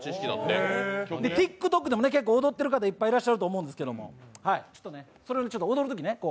ＴｉｋＴｏｋでも結構踊ってる方いらっしゃると思うんですけどちょっとそれを踊るときね